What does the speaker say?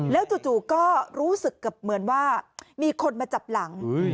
แล้วจู่ก็รู้สึกเหมือนว่ามีคนมาจับหลัง